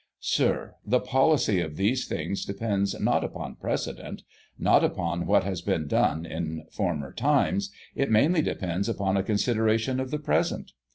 Sir, the policy of these things depends not upon precedent — not upon what has been done in former times; it mainly depends upon a consideration of the present.